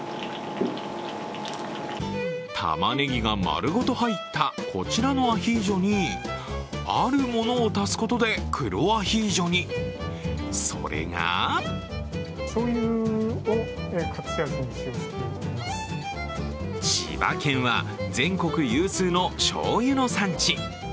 たまねぎが丸ごと入ったこちらのアヒージョに、あるものを足すことで黒アヒージョに、それが千葉県は全国有数のしょうゆの産地。